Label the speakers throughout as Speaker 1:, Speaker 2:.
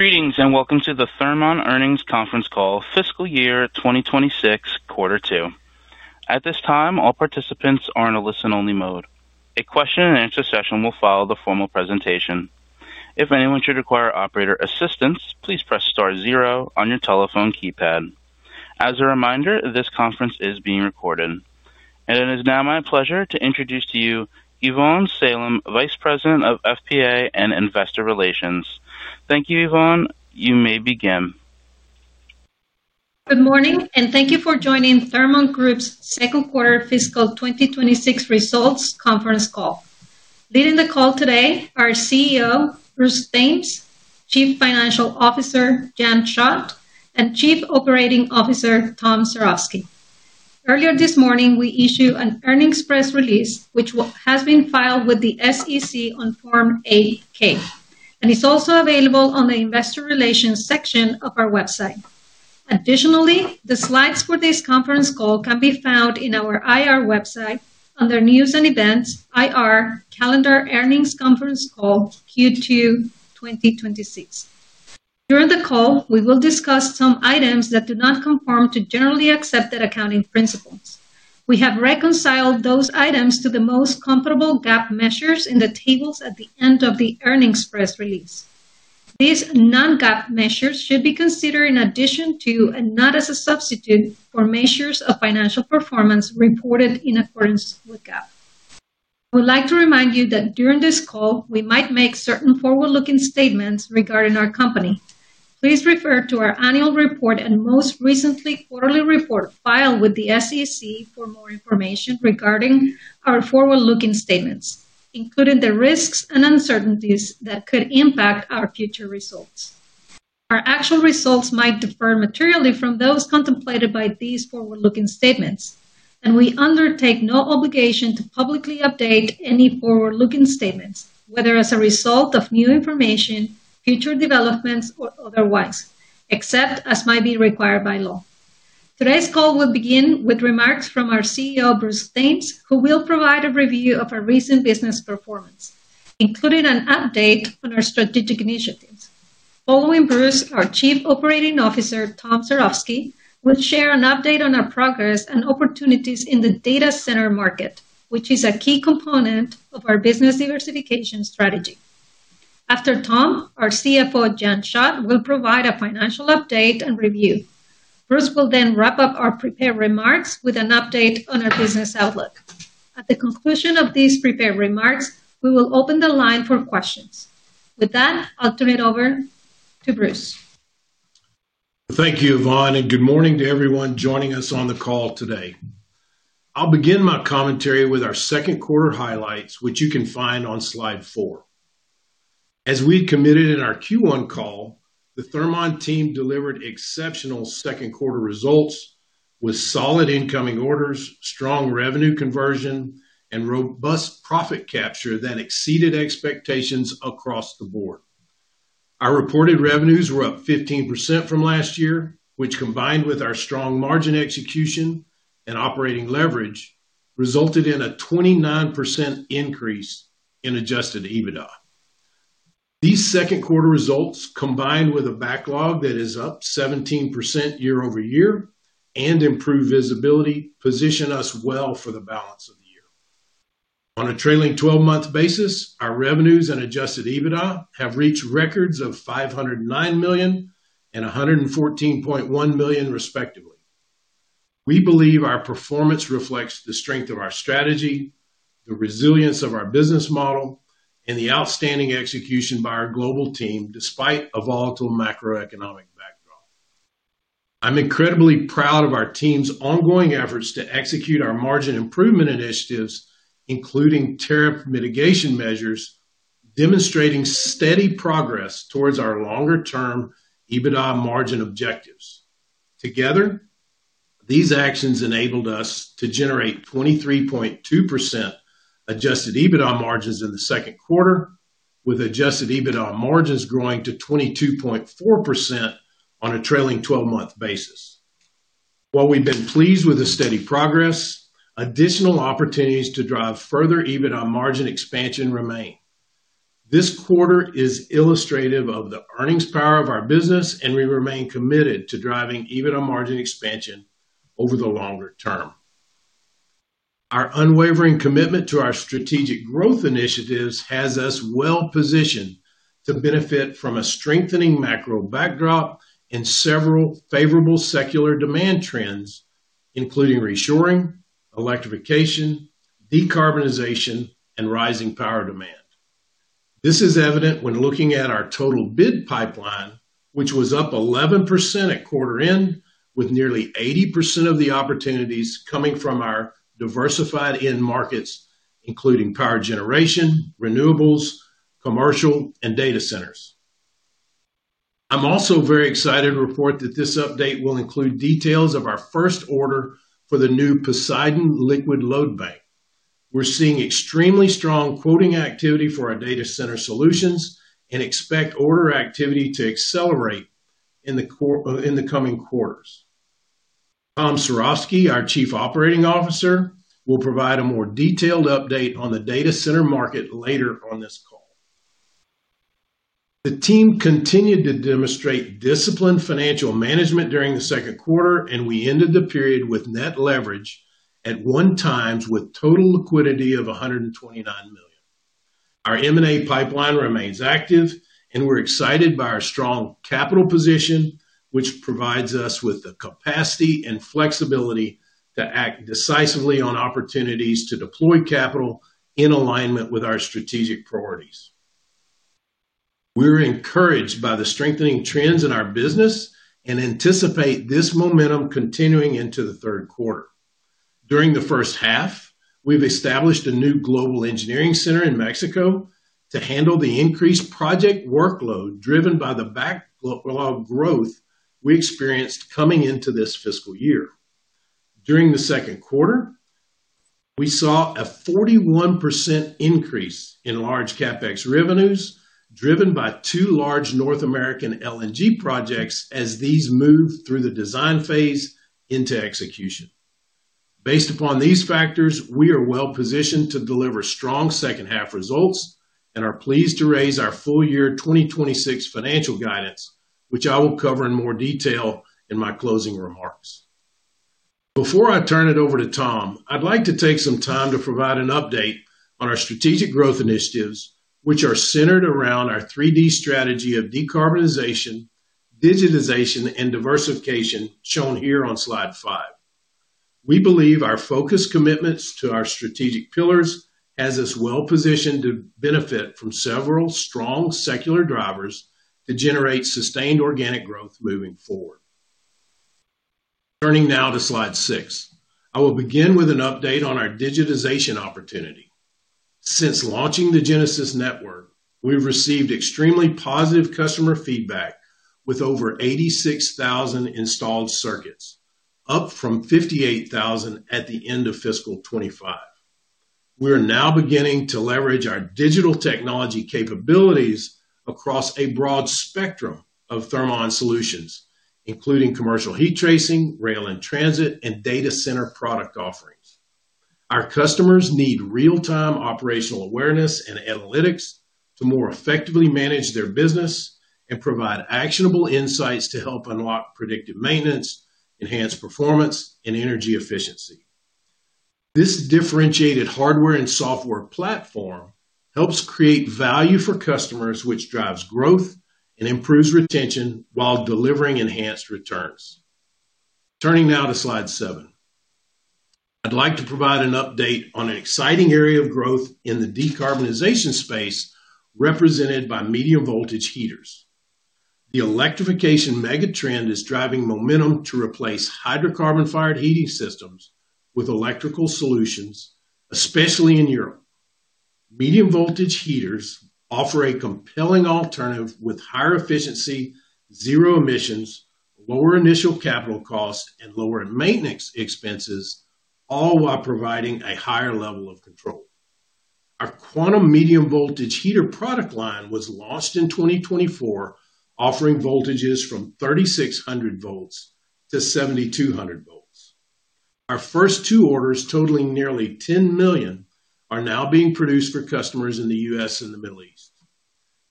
Speaker 1: Greetings and welcome to the Thermon earnings conference call, fiscal year 2026, quarter two. At this time, all participants are in a listen-only mode. A question-and-answer session will follow the formal presentation. If anyone should require operator assistance, please press star zero on your telephone keypad. As a reminder, this conference is being recorded. It is now my pleasure to introduce to you Yvonne Saley, Vice President of FP&A and Investor Relations. Thank you, Yvonne. You may begin.
Speaker 2: Good morning, and thank you for joining Thermon Group's second quarter fiscal 2026 results conference call. Leading the call today are CEO Bruce Thames, Chief Financial Officer Jan Schott, and Chief Operating Officer Tom Swarovski. Earlier this morning, we issued an earnings press release, which has been filed with the SEC on Form 8-K, and it's also available on the Investor Relations section of our website. Additionally, the slides for this conference call can be found in our IR website under News and Events, IR, calendar earnings conference call, Q2 2026. During the call, we will discuss some items that do not conform to generally accepted accounting principles. We have reconciled those items to the most comparable GAAP measures in the tables at the end of the earnings press release. These non-GAAP measures should be considered in addition to and not as a substitute for measures of financial performance reported in accordance with GAAP. I would like to remind you that during this call, we might make certain forward-looking statements regarding our company. Please refer to our annual report and most recent quarterly report filed with the SEC for more information regarding our forward-looking statements, including the risks and uncertainties that could impact our future results. Our actual results might differ materially from those contemplated by these forward-looking statements, and we undertake no obligation to publicly update any forward-looking statements, whether as a result of new information, future developments, or otherwise, except as might be required by law. Today's call will begin with remarks from our CEO, Bruce Thames, who will provide a review of our recent business performance, including an update on our strategic initiatives. Following Bruce, our Chief Operating Officer, Tom Swarovski, will share an update on our progress and opportunities in the data center market, which is a key component of our business diversification strategy. After Tom, our CFO, Jan Schott, will provide a financial update and review. Bruce will then wrap up our prepared remarks with an update on our business outlook. At the conclusion of these prepared remarks, we will open the line for questions. With that, I'll turn it over to Bruce.
Speaker 3: Thank you, Yvonne, and good morning to everyone joining us on the call today. I'll begin my commentary with our second quarter highlights, which you can find on slide four. As we committed in our Q1 call, the Thermon team delivered exceptional second quarter results with solid incoming orders, strong revenue conversion, and robust profit capture that exceeded expectations across the board. Our reported revenues were up 15% from last year, which, combined with our strong margin execution and operating leverage, resulted in a 29% increase in Adjusted EBITDA. These second quarter results, combined with a backlog that is up 17% year over year and improved visibility, position us well for the balance of the year. On a trailing 12-month basis, our revenues and Adjusted EBITDA have reached records of $509 million and $114.1 million, respectively. We believe our performance reflects the strength of our strategy, the resilience of our business model, and the outstanding execution by our global team, despite a volatile macroeconomic backdrop. I'm incredibly proud of our team's ongoing efforts to execute our margin improvement initiatives, including tariff mitigation measures, demonstrating steady progress towards our longer-term EBITDA margin objectives. Together, these actions enabled us to generate 23.2% Adjusted EBITDA margins in the second quarter, with Adjusted EBITDA margins growing to 22.4% on a trailing 12-month basis. While we've been pleased with the steady progress, additional opportunities to drive further EBITDA margin expansion remain. This quarter is illustrative of the earnings power of our business, and we remain committed to driving EBITDA margin expansion over the longer term. Our unwavering commitment to our strategic growth initiatives has us well-positioned to benefit from a strengthening macro backdrop and several favorable secular demand trends, including reshoring, electrification, decarbonization, and rising power demand. This is evident when looking at our total bid pipeline, which was up 11% at quarter-end, with nearly 80% of the opportunities coming from our diversified end markets, including power generation, renewables, commercial, and data centers. I'm also very excited to report that this update will include details of our first order for the new Poseidon Liquid Load Bank. We're seeing extremely strong quoting activity for our data center solutions and expect order activity to accelerate in the coming quarters. Tom Swarovski, our Chief Operating Officer, will provide a more detailed update on the data center market later on this call. The team continued to demonstrate disciplined financial management during the second quarter, and we ended the period with net leverage at one times with total liquidity of $129 million. Our M&A pipeline remains active, and we're excited by our strong capital position, which provides us with the capacity and flexibility to act decisively on opportunities to deploy capital in alignment with our strategic priorities. We're encouraged by the strengthening trends in our business and anticipate this momentum continuing into the third quarter. During the first half, we've established a new global engineering center in Mexico to handle the increased project workload driven by the backlog growth we experienced coming into this fiscal year. During the second quarter, we saw a 41% increase in large CapEx revenues driven by two large North American LNG projects as these moved through the design phase into execution. Based upon these factors, we are well-positioned to deliver strong second-half results and are pleased to raise our full-year 2026 financial guidance, which I will cover in more detail in my closing remarks. Before I turn it over to Tom, I'd like to take some time to provide an update on our strategic growth initiatives, which are centered around our 3D strategy of decarbonization, digitization, and diversification shown here on slide five. We believe our focused commitments to our strategic pillars have us well-positioned to benefit from several strong secular drivers to generate sustained organic growth moving forward. Turning now to slide six, I will begin with an update on our digitization opportunity. Since launching the Genesis Network, we've received extremely positive customer feedback with over 86,000 installed circuits, up from 58,000 at the end of fiscal 2025. We are now beginning to leverage our digital technology capabilities across a broad spectrum of Thermon solutions, including commercial heat tracing, rail and transit, and data center product offerings. Our customers need real-time operational awareness and analytics to more effectively manage their business and provide actionable insights to help unlock predictive maintenance, enhance performance, and energy efficiency. This differentiated hardware and software platform helps create value for customers, which drives growth and improves retention while delivering enhanced returns. Turning now to slide seven. I'd like to provide an update on an exciting area of growth in the decarbonization space, represented by medium voltage heaters. The electrification megatrend is driving momentum to replace hydrocarbon-fired heating systems with electrical solutions, especially in Europe. Medium voltage heaters offer a compelling alternative with higher efficiency, zero emissions, lower initial capital cost, and lower maintenance expenses, all while providing a higher level of control. Our Quantum medium voltage heater product line was launched in 2024, offering voltages from 3,600 volts to 7,200 volts. Our first two orders, totaling nearly $10 million, are now being produced for customers in the U.S. and the Middle East.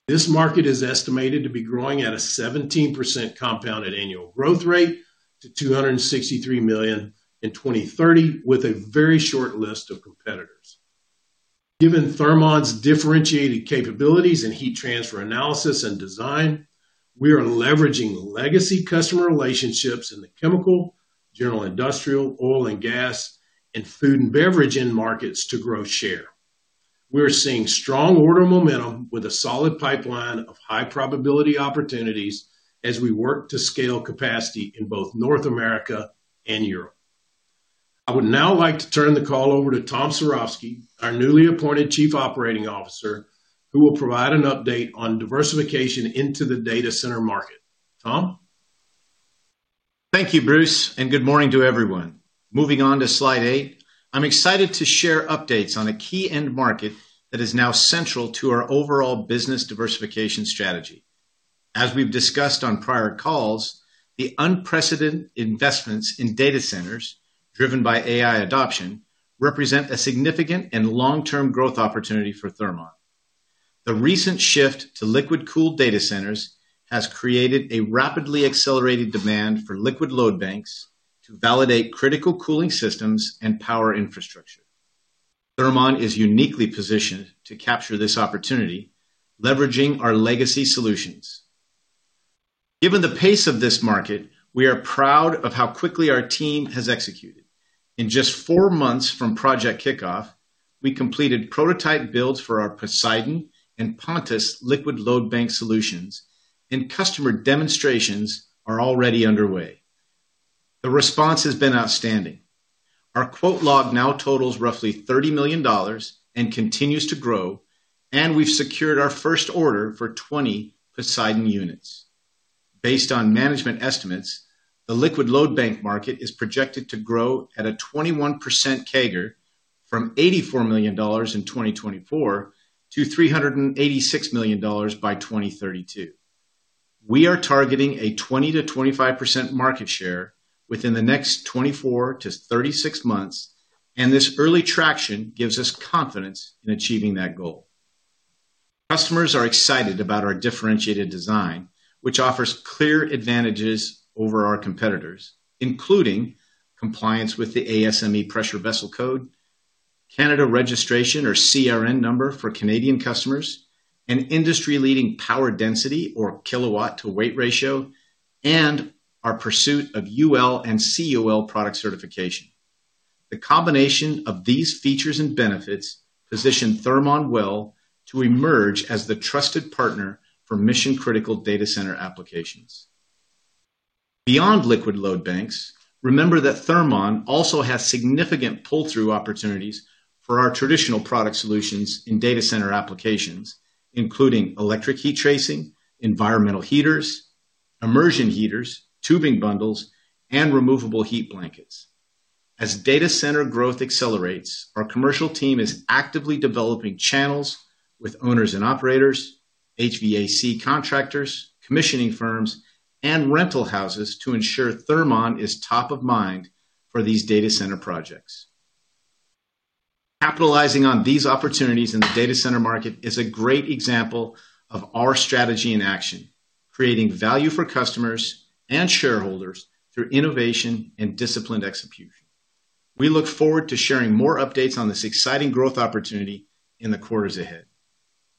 Speaker 3: This market is estimated to be growing at a 17% compounded annual growth rate to $263 million in 2030, with a very short list of competitors. Given Thermon's differentiated capabilities in heat transfer analysis and design, we are leveraging legacy customer relationships in the chemical, general industrial, oil and gas, and food and beverage end markets to grow share. We're seeing strong order momentum with a solid pipeline of high-probability opportunities as we work to scale capacity in both North America and Europe. I would now like to turn the call over to Tom Swarovski, our newly appointed Chief Operating Officer, who will provide an update on diversification into the data center market. Tom?
Speaker 4: Thank you, Bruce, and good morning to everyone. Moving on to slide eight, I'm excited to share updates on a key end market that is now central to our overall business diversification strategy. As we've discussed on prior calls, the unprecedented investments in data centers driven by AI adoption represent a significant and long-term growth opportunity for Thermon. The recent shift to liquid-cooled data centers has created a rapidly accelerated demand for liquid load banks to validate critical cooling systems and power infrastructure. Thermon is uniquely positioned to capture this opportunity, leveraging our legacy solutions. Given the pace of this market, we are proud of how quickly our team has executed. In just four months from project kickoff, we completed prototype builds for our Poseidon and Pontus liquid load bank solutions, and customer demonstrations are already underway. The response has been outstanding. Our quote log now totals roughly $30 million and continues to grow, and we've secured our first order for 20 Poseidon units. Based on management estimates, the liquid load bank market is projected to grow at a 21% CAGR from $84 million in 2024 to $386 million by 2032. We are targeting a 20%-25% market share within the next 24-36 months, and this early traction gives us confidence in achieving that goal. Customers are excited about our differentiated design, which offers clear advantages over our competitors, including compliance with the ASME Pressure Vessel Code, Canada registration or CRN number for Canadian customers, an industry-leading power density or kilowatt-to-weight ratio, and our pursuit of UL and COL product certification. The combination of these features and benefits positions Thermon well to emerge as the trusted partner for mission-critical data center applications. Beyond liquid load banks, remember that Thermon also has significant pull-through opportunities for our traditional product solutions in data center applications, including electric heat tracing, environmental heaters, immersion heaters, tubing bundles, and removable heat blankets. As data center growth accelerates, our commercial team is actively developing channels with owners and operators, HVAC contractors, commissioning firms, and rental houses to ensure Thermon is top of mind for these data center projects. Capitalizing on these opportunities in the data center market is a great example of our strategy in action, creating value for customers and shareholders through innovation and disciplined execution. We look forward to sharing more updates on this exciting growth opportunity in the quarters ahead.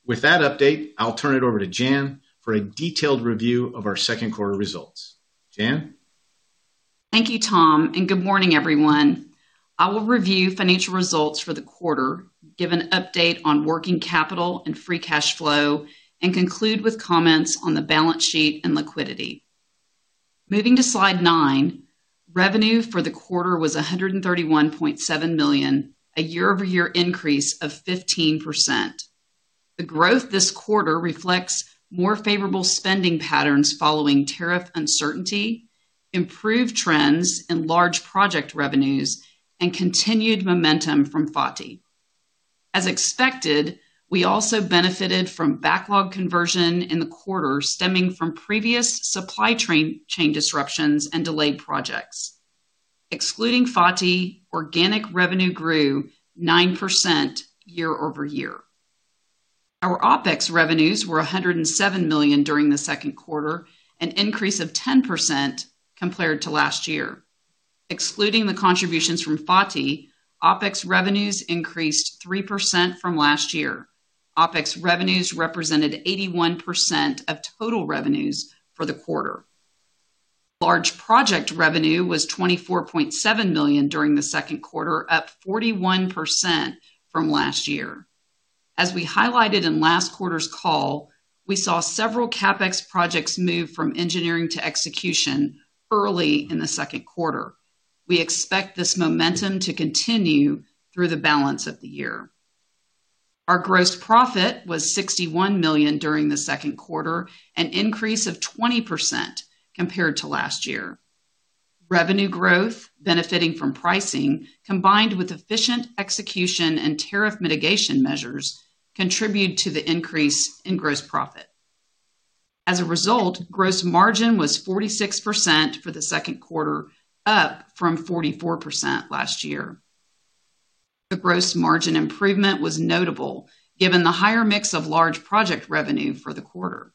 Speaker 4: With that update, I'll turn it over to Jan for a detailed review of our second quarter results. Jan.
Speaker 5: Thank you, Tom, and good morning, everyone. I will review financial results for the quarter, give an update on working capital and free cash flow, and conclude with comments on the balance sheet and liquidity. Moving to slide nine, revenue for the quarter was $131.7 million, a year-over-year increase of 15%. The growth this quarter reflects more favorable spending patterns following tariff uncertainty, improved trends in large project revenues, and continued momentum from FOTI. As expected, we also benefited from backlog conversion in the quarter stemming from previous supply chain disruptions and delayed projects. Excluding FOTI, organic revenue grew 9% year-over-year. Our OPEX revenues were $107 million during the second quarter, an increase of 10% compared to last year. Excluding the contributions from FOTI, OPEX revenues increased 3% from last year. OPEX revenues represented 81% of total revenues for the quarter. Large project revenue was $24.7 million during the second quarter, up 41% from last year. As we highlighted in last quarter's call, we saw several CapEx projects move from engineering to execution early in the second quarter. We expect this momentum to continue through the balance of the year. Our gross profit was $61 million during the second quarter, an increase of 20% compared to last year. Revenue growth, benefiting from pricing, combined with efficient execution and tariff mitigation measures, contributed to the increase in gross profit. As a result, gross margin was 46% for the second quarter, up from 44% last year. The gross margin improvement was notable given the higher mix of large project revenue for the quarter.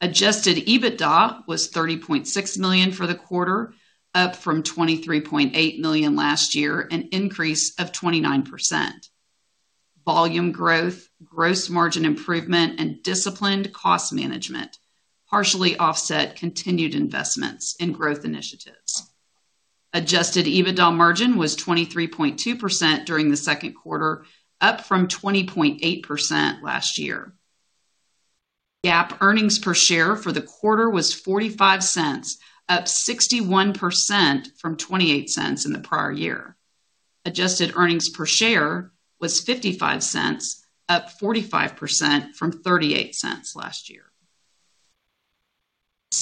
Speaker 5: Adjusted EBITDA was $30.6 million for the quarter, up from $23.8 million last year, an increase of 29%. Volume growth, gross margin improvement, and disciplined cost management partially offset continued investments in growth initiatives. Adjusted EBITDA margin was 23.2% during the second quarter, up from 20.8% last year. GAAP earnings per share for the quarter was $0.45, up 61% from $0.28 in the prior year. Adjusted earnings per share was $0.55, up 45% from $0.38 last year.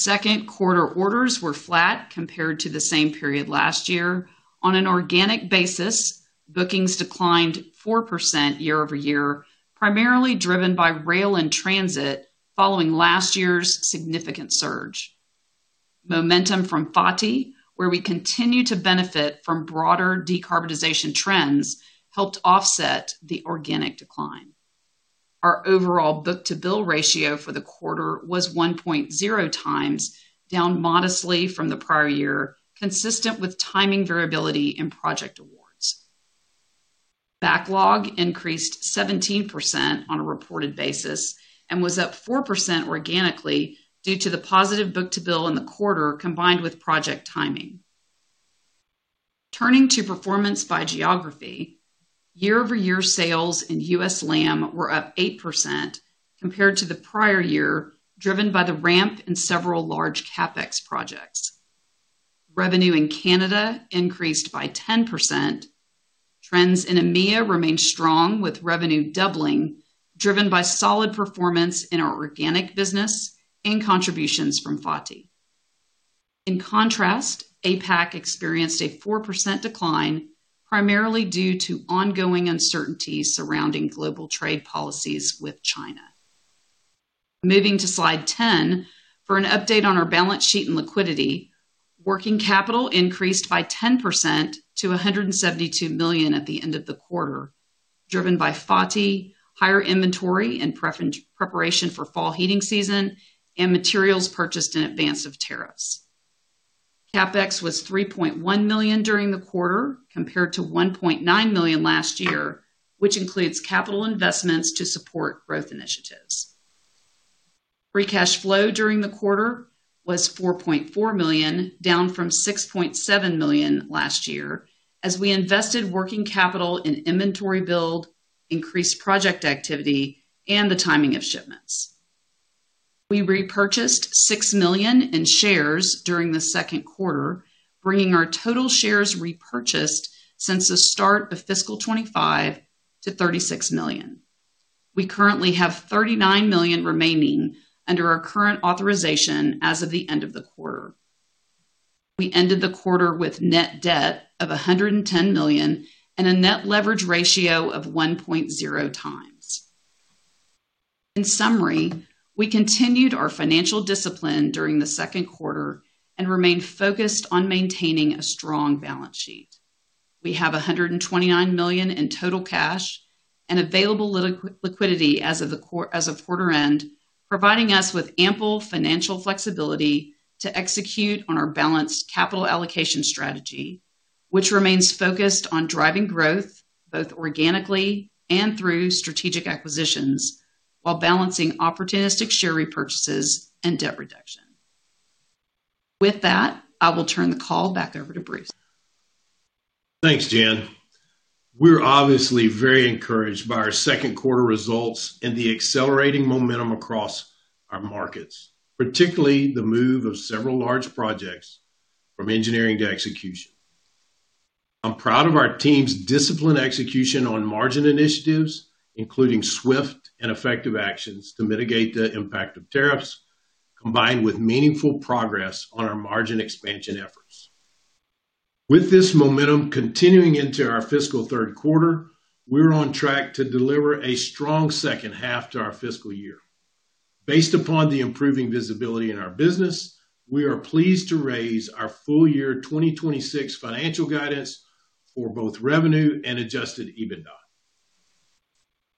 Speaker 5: Second quarter orders were flat compared to the same period last year. On an organic basis, bookings declined 4% year-over-year, primarily driven by rail and transit following last year's significant surge. Momentum from FOTI, where we continue to benefit from broader decarbonization trends, helped offset the organic decline. Our overall book-to-bill ratio for the quarter was 1.0 times, down modestly from the prior year, consistent with timing variability in project awards. Backlog increased 17% on a reported basis and was up 4% organically due to the positive book-to-bill in the quarter combined with project timing. Turning to performance by geography, year-over-year sales in U.S. land were up 8% compared to the prior year, driven by the ramp in several large CapEx projects. Revenue in Canada increased by 10%. Trends in EMEA remained strong, with revenue doubling, driven by solid performance in our organic business and contributions from FOTI. In contrast, APAC experienced a 4% decline, primarily due to ongoing uncertainties surrounding global trade policies with China. Moving to slide 10, for an update on our balance sheet and liquidity, working capital increased by 10% to $172 million at the end of the quarter, driven by FOTI, higher inventory and preparation for fall heating season, and materials purchased in advance of tariffs. CapEx was $3.1 million during the quarter compared to $1.9 million last year, which includes capital investments to support growth initiatives. Free cash flow during the quarter was $4.4 million, down from $6.7 million last year, as we invested working capital in inventory build, increased project activity, and the timing of shipments. We repurchased $6 million in shares during the second quarter, bringing our total shares repurchased since the start of fiscal 2025 to $36 million. We currently have $39 million remaining under our current authorization as of the end of the quarter. We ended the quarter with net debt of $110 million and a net leverage ratio of 1.0 times. In summary, we continued our financial discipline during the second quarter and remained focused on maintaining a strong balance sheet. We have $129 million in total cash and available liquidity as of quarter end, providing us with ample financial flexibility to execute on our balanced capital allocation strategy, which remains focused on driving growth both organically and through strategic acquisitions while balancing opportunistic share repurchases and debt reduction. With that, I will turn the call back over to Bruce.
Speaker 3: Thanks, Jan. We're obviously very encouraged by our second quarter results and the accelerating momentum across our markets, particularly the move of several large projects from engineering to execution. I'm proud of our team's disciplined execution on margin initiatives, including swift and effective actions to mitigate the impact of tariffs, combined with meaningful progress on our margin expansion efforts. With this momentum continuing into our fiscal third quarter, we're on track to deliver a strong second half to our fiscal year. Based upon the improving visibility in our business, we are pleased to raise our full year 2026 financial guidance for both revenue and Adjusted EBITDA.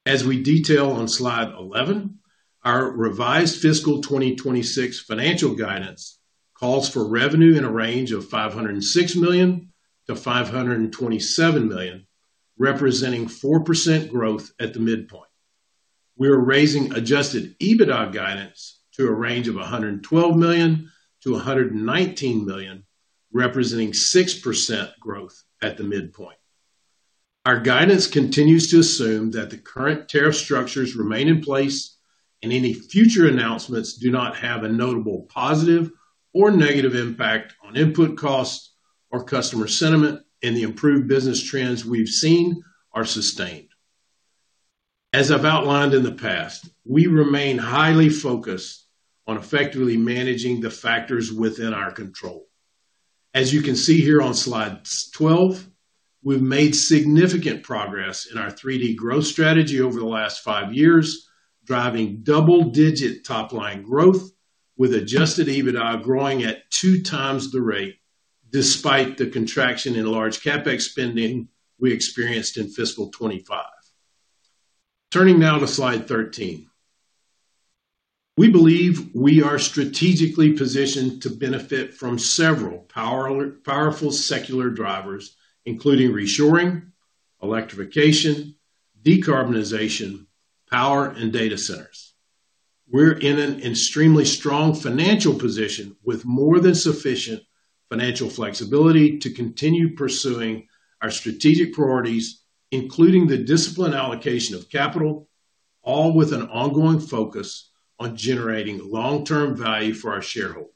Speaker 3: As we detail on slide 11, our revised fiscal 2026 financial guidance calls for revenue in a range of $506 million-$527 million, representing 4% growth at the midpoint. We are raising Adjusted EBITDA guidance to a range of $112 million-$119 million, representing 6% growth at the midpoint. Our guidance continues to assume that the current tariff structures remain in place and any future announcements do not have a notable positive or negative impact on input costs or customer sentiment, and the improved business trends we have seen are sustained. As I have outlined in the past, we remain highly focused on effectively managing the factors within our control. As you can see here on slide 12, we have made significant progress in our 3D growth strategy over the last five years, driving double-digit top-line growth, with Adjusted EBITDA growing at two times the rate, despite the contraction in large CapEx spending we experienced in fiscal 2025. Turning now to slide 13. We believe we are strategically positioned to benefit from several powerful secular drivers, including reshoring, electrification, decarbonization, power, and data centers. We're in an extremely strong financial position with more than sufficient financial flexibility to continue pursuing our strategic priorities, including the disciplined allocation of capital, all with an ongoing focus on generating long-term value for our shareholders.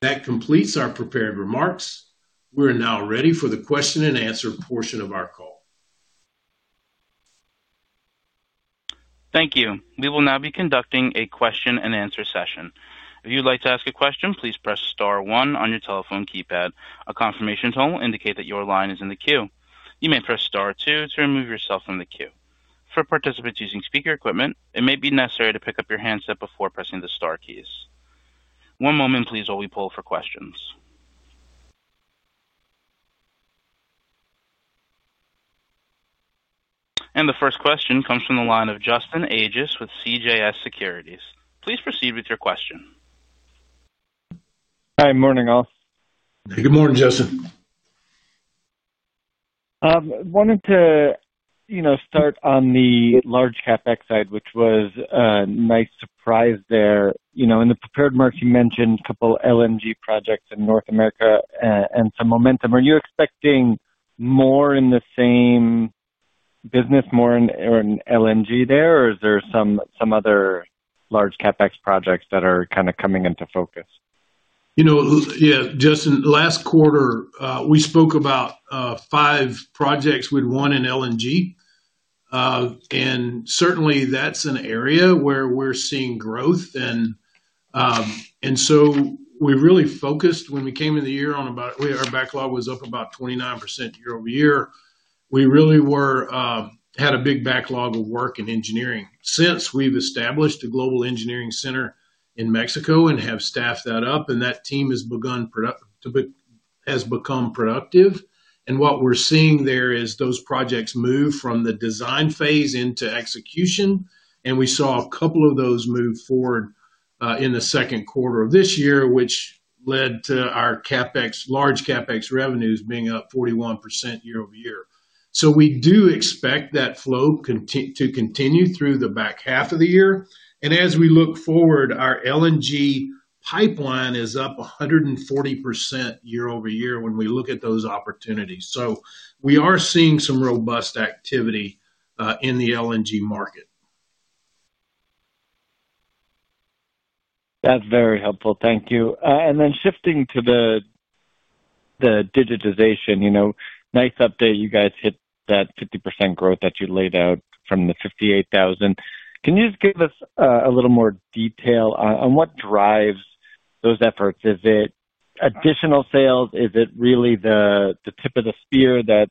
Speaker 3: That completes our prepared remarks. We're now ready for the question-and-answer portion of our call.
Speaker 1: Thank you. We will now be conducting a question-and-answer session. If you'd like to ask a question, please press star one on your telephone keypad. A confirmation tone will indicate that your line is in the queue. You may press star two to remove yourself from the queue. For participants using speaker equipment, it may be necessary to pick up your handset before pressing the Star keys. One moment, please, while we poll for questions. The first question comes from the line of Justin Ages with CJS Securities. Please proceed with your question.
Speaker 6: Hi. Morning, all.
Speaker 3: Good morning, Justin.
Speaker 6: I wanted to start on the large CapEx side, which was a nice surprise there. In the prepared market, you mentioned a couple of LNG projects in North America and some momentum. Are you expecting more in the same business, more in LNG there, or is there some other large CapEx projects that are kind of coming into focus?
Speaker 3: Yeah, Justin, last quarter, we spoke about five projects with one in LNG. Certainly, that's an area where we're seeing growth. We really focused when we came in the year on about our backlog was up about 29% year-over-year. We really had a big backlog of work in engineering. Since we've established a global engineering center in Mexico and have staffed that up, and that team has become productive. What we're seeing there is those projects move from the design phase into execution. We saw a couple of those move forward in the second quarter of this year, which led to our large CapEx revenues being up 41% year-over-year. We do expect that flow to continue through the back half of the year. As we look forward, our LNG pipeline is up 140% year-over-year when we look at those opportunities. We are seeing some robust activity in the LNG market.
Speaker 6: That's very helpful. Thank you. Then shifting to the digitization, nice update, you guys hit that 50% growth that you laid out from the $58,000. Can you just give us a little more detail on what drives those efforts? Is it additional sales? Is it really the tip of the spear that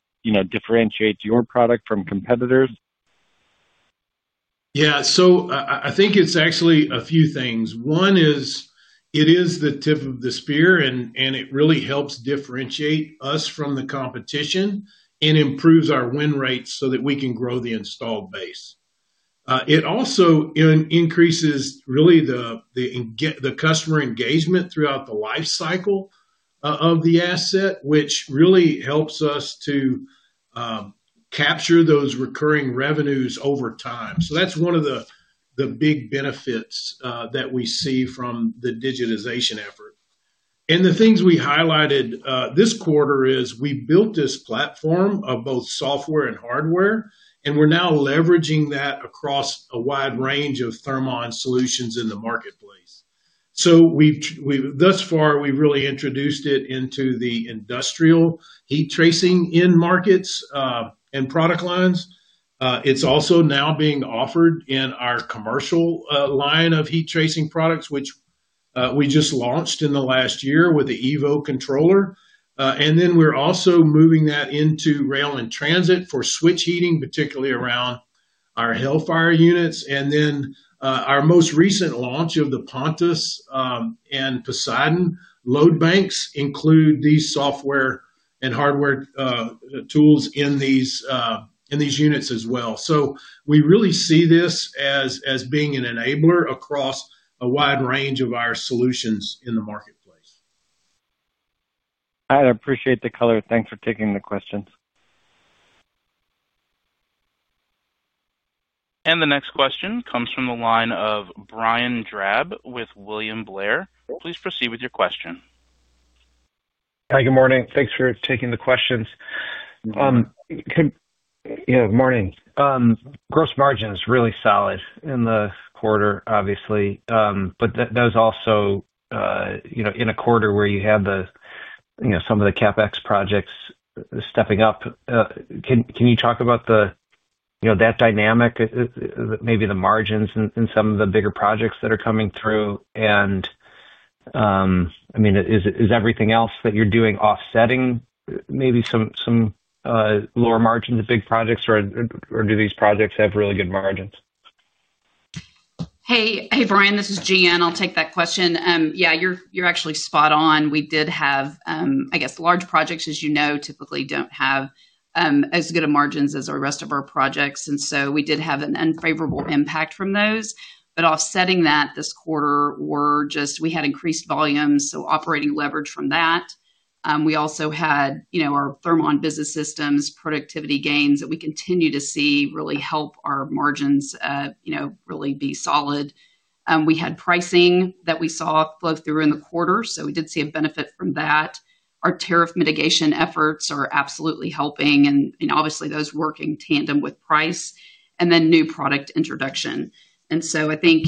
Speaker 6: differentiates your product from competitors?
Speaker 3: Yeah. So I think it's actually a few things. One is it is the tip of the spear, and it really helps differentiate us from the competition and improves our win rates so that we can grow the installed base. It also increases really the customer engagement throughout the lifecycle of the asset, which really helps us to capture those recurring revenues over time. That's one of the big benefits that we see from the digitization effort. The things we highlighted this quarter is we built this platform of both software and hardware, and we're now leveraging that across a wide range of Thermon solutions in the marketplace. Thus far, we've really introduced it into the industrial heat tracing markets and product lines. It's also now being offered in our commercial line of heat tracing products, which we just launched in the last year with the Evo controller. We are also moving that into rail and transit for switch heating, particularly around our Hellfire units. Our most recent launch of the Pontus and Poseidon load banks include these software and hardware tools in these units as well. We really see this as being an enabler across a wide range of our solutions in the marketplace.
Speaker 6: I appreciate the color. Thanks for taking the questions.
Speaker 1: The next question comes from the line of Brian Drab with William Blair. Please proceed with your question.
Speaker 7: Hi. Good morning. Thanks for taking the questions. Yeah. Morning. Gross margin is really solid in the quarter, obviously. That was also in a quarter where you had some of the CapEx projects stepping up. Can you talk about that dynamic, maybe the margins in some of the bigger projects that are coming through? I mean, is everything else that you're doing offsetting maybe some lower margins of big projects, or do these projects have really good margins?
Speaker 5: Hey, Brian. This is Jan. I'll take that question. Yeah, you're actually spot on. We did have, I guess, large projects, as you know, typically don't have as good of margins as the rest of our projects. We did have an unfavorable impact from those. Offsetting that this quarter, we had increased volumes, so operating leverage from that. We also had our Thermon business systems' productivity gains that we continue to see really help our margins really be solid. We had pricing that we saw flow through in the quarter, so we did see a benefit from that. Our tariff mitigation efforts are absolutely helping, and obviously, those work in tandem with price and then new product introduction. I think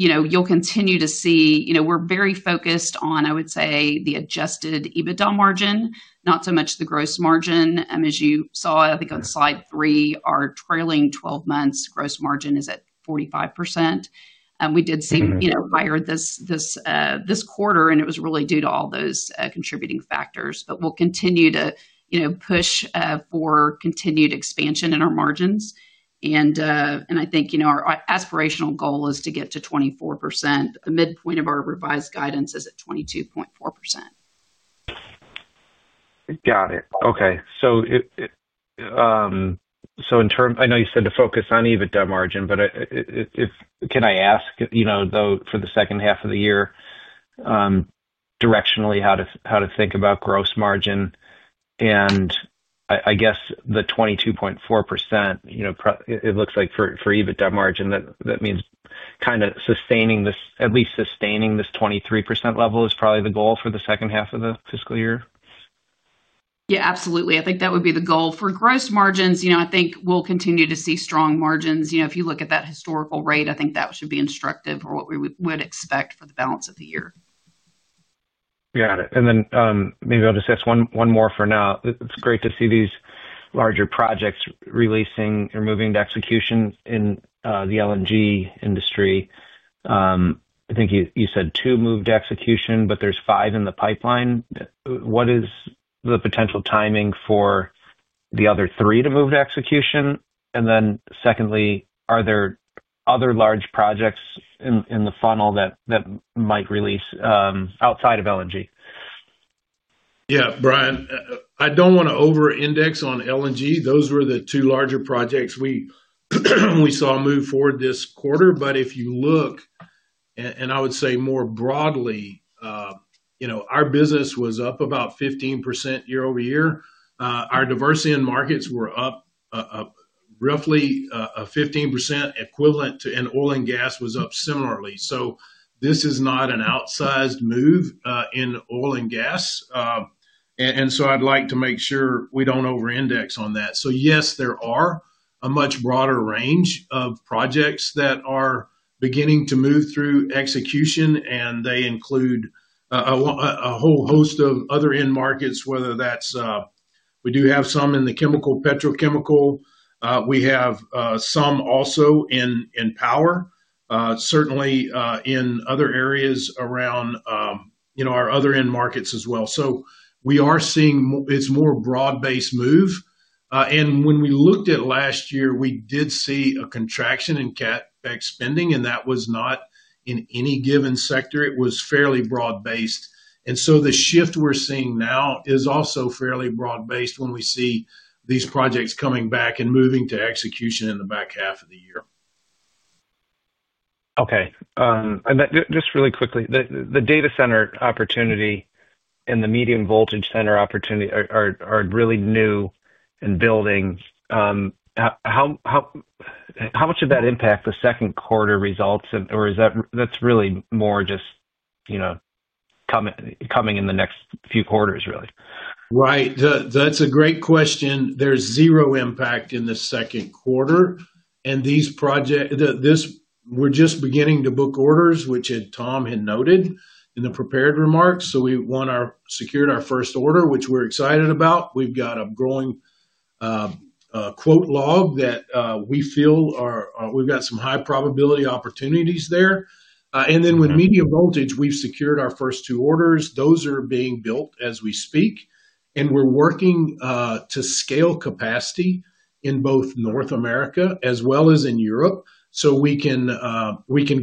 Speaker 5: you'll continue to see we're very focused on, I would say, the Adjusted EBITDA margin, not so much the gross margin. As you saw, I think on slide three, our trailing 12 months gross margin is at 45%. We did see higher this quarter, and it was really due to all those contributing factors. We'll continue to push for continued expansion in our margins. I think our aspirational goal is to get to 24%. The midpoint of our revised guidance is at 22.4%.
Speaker 7: Got it. Okay. I know you said to focus on EBITDA margin, but can I ask for the second half of the year, directionally how to think about gross margin? I guess the 22.4%—it looks like for EBITDA margin, that means kind of at least sustaining this 23% level is probably the goal for the second half of the fiscal year?
Speaker 5: Yeah, absolutely. I think that would be the goal for gross margins. I think we'll continue to see strong margins. If you look at that historical rate, I think that should be instructive for what we would expect for the balance of the year.
Speaker 7: Got it. Maybe I'll just ask one more for now. It's great to see these larger projects releasing or moving to execution in the LNG industry. I think you said two moved to execution, but there's five in the pipeline. What is the potential timing for the other three to move to execution? Secondly, are there other large projects in the funnel that might release outside of LNG?
Speaker 3: Yeah, Brian, I do not want to over-index on LNG. Those were the two larger projects we saw move forward this quarter. If you look, and I would say more broadly, our business was up about 15% year-over-year. Our diversity in markets was up roughly 15% equivalent to, and oil and gas was up similarly. This is not an outsized move in oil and gas. I would like to make sure we do not over-index on that. Yes, there are a much broader range of projects that are beginning to move through execution, and they include a whole host of other end markets, whether that is, we do have some in the chemical, petrochemical. We have some also in power, certainly in other areas around our other end markets as well. We are seeing it is more broad-based move. When we looked at last year, we did see a contraction in CapEx spending, and that was not in any given sector. It was fairly broad-based. The shift we're seeing now is also fairly broad-based when we see these projects coming back and moving to execution in the back half of the year.
Speaker 7: Okay. And just really quickly, the data center opportunity and the medium voltage center opportunity are really new and building. How much of that impacted the second quarter results? Or that's really more just coming in the next few quarters, really?
Speaker 3: Right. That's a great question. There's zero impact in the second quarter. We're just beginning to book orders, which Tom had noted in the prepared remarks. We secured our first order, which we're excited about. We've got a growing quote log that we feel we've got some high-probability opportunities there. With medium voltage, we've secured our first two orders. Those are being built as we speak. We're working to scale capacity in both North America as well as in Europe so we can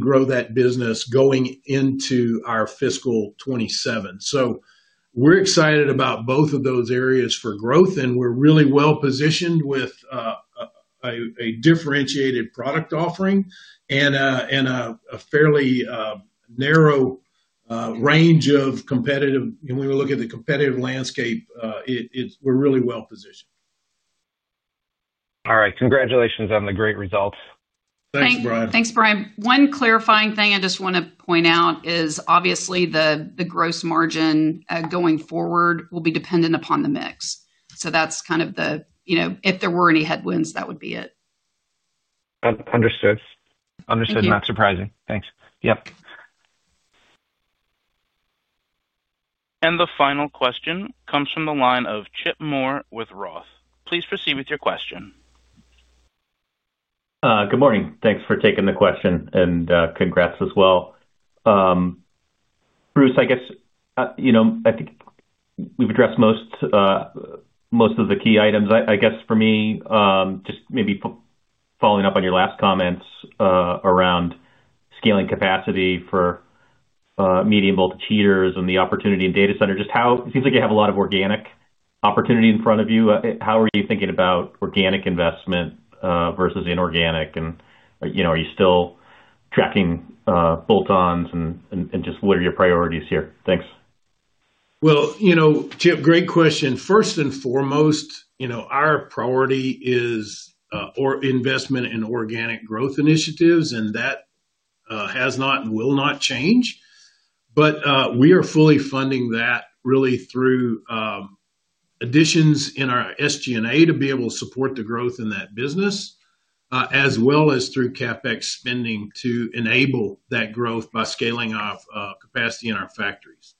Speaker 3: grow that business going into our fiscal 2027. We're excited about both of those areas for growth, and we're really well-positioned with a differentiated product offering and a fairly narrow range of competitive. When we look at the competitive landscape, we're really well-positioned.
Speaker 7: All right. Congratulations on the great results.
Speaker 3: Thanks, Brian.
Speaker 5: Thanks, Brian. One clarifying thing I just want to point out is, obviously, the gross margin going forward will be dependent upon the mix. So that's kind of the if there were any headwinds, that would be it.
Speaker 7: Understood. Understood. Not surprising. Thanks. Yep.
Speaker 1: The final question comes from the line of Chip Moore with ROTH. Please proceed with your question.
Speaker 8: Good morning. Thanks for taking the question, and congrats as well. Bruce, I guess. I think we've addressed most of the key items. I guess for me, just maybe following up on your last comments around scaling capacity for medium voltage heaters and the opportunity in data center, just how it seems like you have a lot of organic opportunity in front of you. How are you thinking about organic investment versus inorganic? Are you still tracking bolt-ons? What are your priorities here? Thanks.
Speaker 3: Chip, great question. First and foremost, our priority is investment in organic growth initiatives, and that has not and will not change. We are fully funding that really through additions in our SG&A to be able to support the growth in that business, as well as through CapEx spending to enable that growth by scaling our capacity in our factories.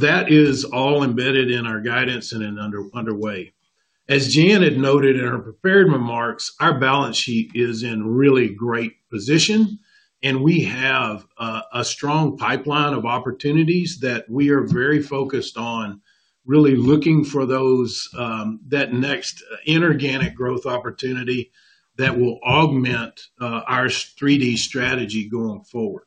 Speaker 3: That is all embedded in our guidance and underway. As Jan had noted in our prepared remarks, our balance sheet is in really great position, and we have a strong pipeline of opportunities that we are very focused on, really looking for that next inorganic growth opportunity that will augment our 3D strategy going forward.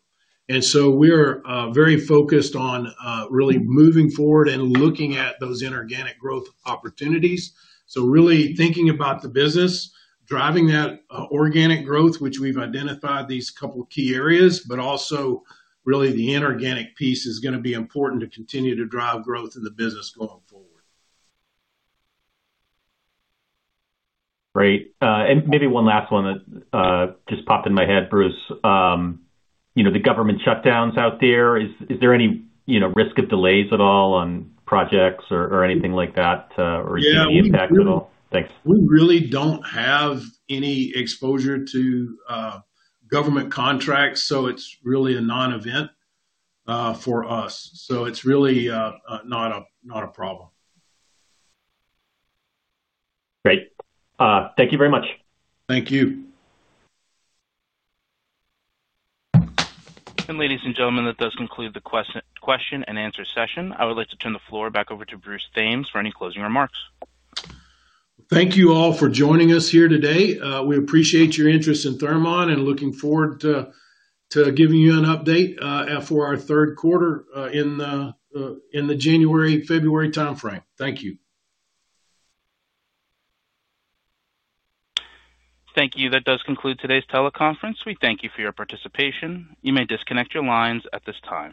Speaker 3: We are very focused on really moving forward and looking at those inorganic growth opportunities. Really thinking about the business, driving that organic growth, which we've identified these couple of key areas, but also really the inorganic piece is going to be important to continue to drive growth in the business going forward.
Speaker 8: Great. Maybe one last one that just popped in my head, Bruce. The government shutdowns out there, is there any risk of delays at all on projects or anything like that, or any impact at all? Thanks.
Speaker 3: We really don't have any exposure to government contracts, so it's really a non-event for us. So it's really not a problem.
Speaker 8: Great. Thank you very much.
Speaker 3: Thank you.
Speaker 1: Ladies and gentlemen, that does conclude the question and answer session. I would like to turn the floor back over to Bruce Thames for any closing remarks.
Speaker 3: Thank you all for joining us here today. We appreciate your interest in Thermon and looking forward to giving you an update for our third quarter in the January/February timeframe. Thank you.
Speaker 1: Thank you. That does conclude today's teleconference. We thank you for your participation. You may disconnect your lines at this time.